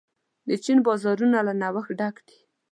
د چین بازارونه له نوښت ډک دي.